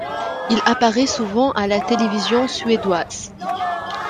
Il apparait souvent à la télévision suédoise.